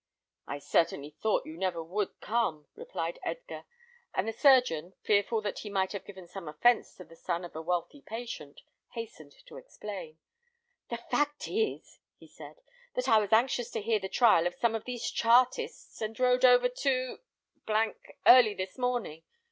"I certainly thought you never would come," replied Edgar; and the surgeon, fearful that he might have given some offence to the son of a wealthy patient, hastened to explain. "The fact is," he said, "that I was anxious to hear the trial of some of these Chartists, and rode over to early this morning.